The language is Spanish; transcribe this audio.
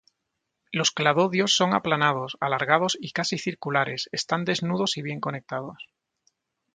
Los cladodios son aplanados, alargados y casi circulares están desnudos y bien conectados.